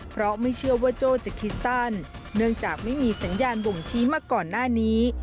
เพราะไม่เชื่อว่าโจ้จะคิดสั้นเนื่องจากไม่มีสัญญาณบ่งชี้มาก่อนหน้านี้